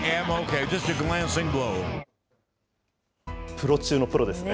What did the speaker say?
プロ中のプロですね。